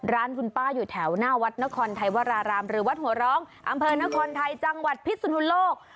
ร้านคุณป้าอยู่แถวหน้าวัดนครไทยวรารามหรือวัดหัวร้องอำเภอนครไทยจังหวัดพิสุนุโลก